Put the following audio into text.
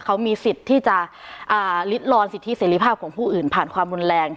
เขามีสิทธิ์ที่จะลิดลอนสิทธิเสรีภาพของผู้อื่นผ่านความรุนแรง